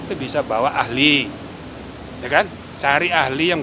itu bisa bawa ahli cari ahli yang